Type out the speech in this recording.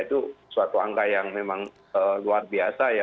itu suatu angka yang memang luar biasa ya